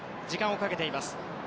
時間をかけています。